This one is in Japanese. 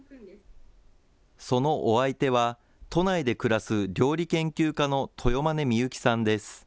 そのお相手は、都内で暮らす料理研究家の豊間根美幸さんです。